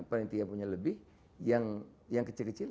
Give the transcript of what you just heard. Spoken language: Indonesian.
perinti yang punya lebih yang kecil kecil